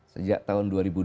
sejak tahun dua ribu dua belas